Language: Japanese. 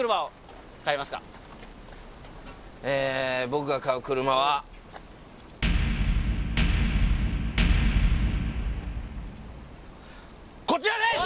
僕が買う車はこちらです！